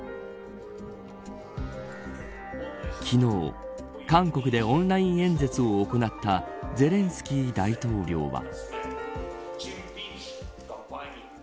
昨日、韓国でオンライン演説を行ったゼレンスキー大統領は。